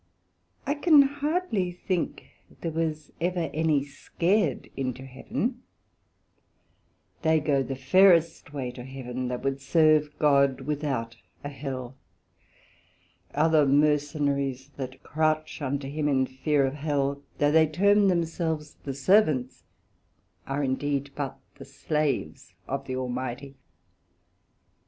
I can hardly think there was ever any scared into Heaven; they go the fairest way to Heaven that would serve God without a Hell; other Mercenaries, that crouch into him in fear of Hell, though they term themselves the servants, are indeed but the slaves of the Almighty.